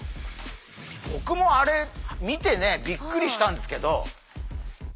ぼくもあれ見てねびっくりしたんですけど。